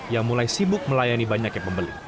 yang mulai sibuk melayani banyak yang membeli